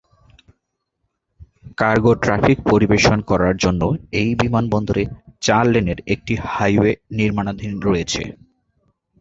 Cargo traffic পরিবেশন করার জন্য এই বিমানবন্দরে চার-লেনের একটি হাইওয়ে নির্মাণাধীন রয়েছে।